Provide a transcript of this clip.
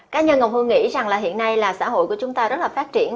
cá nhân ông hương nghĩ rằng là hiện nay là xã hội của chúng ta rất là phát triển